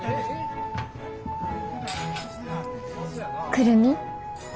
久留美？